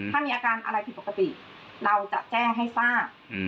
ถ้ามีอาการอะไรผิดปกติเราจะแจ้งให้ทราบ